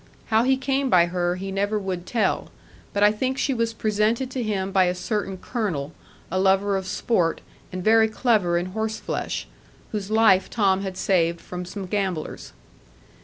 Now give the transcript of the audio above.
How he came by her he never would tell, but I think that she was presented to him by a certain Colonel, a lover of sport, and very clever in horseflesh, whose life Tom had saved from some gamblers.